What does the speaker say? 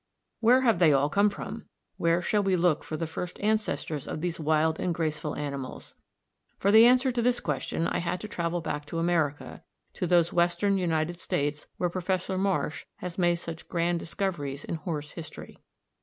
Where have they all come from? Where shall we look for the first ancestors of these wild and graceful animals? For the answer to this question I had to travel back to America, to those Western United States where Professor Marsh has made such grand discoveries in horse history.